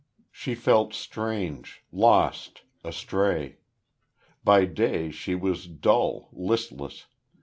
She felt strange lost astray. By day, she was dull, listless.